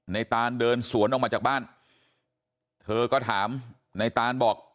ตานเดินสวนออกมาจากบ้านเธอก็ถามในตานบอก